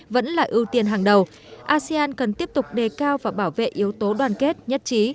vẫn là ưu tiên hàng đầu asean cần tiếp tục đề cao và bảo vệ yếu tố đoàn kết nhất trí